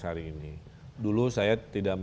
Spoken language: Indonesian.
hari ini dulu saya tidak